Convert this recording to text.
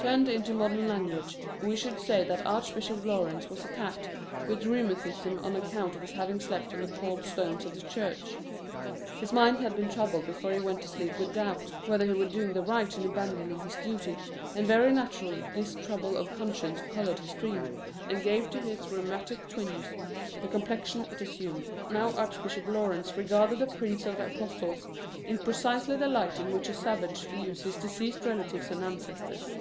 Turned into modern language, we should say that Archbishop Laurence was attacked with rheu matism on account of his having slept on the cold stones of the church. His mind had been troubled before he went to sleep with doubts whether he were doing right in abandoning his duty, and very naturally this trouble of conscience coloured his 5 Curiosities of Olden Times dream, and gave to his rheumatic twinges the com plexion it assumed. Now Archbishop Laurence regarded the Prince of the Apostles in precisely the light in which a savage views his deceased relatives and ancestors.